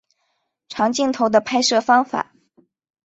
长镜头的拍摄方法。